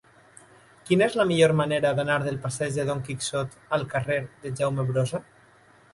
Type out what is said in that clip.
Quina és la millor manera d'anar del passeig de Don Quixot al carrer de Jaume Brossa?